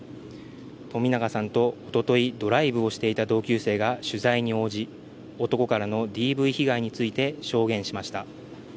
冨永さんとおととい、ドライブをしていた同級生が取材に応じ男からのＤＶ被害について証言しました。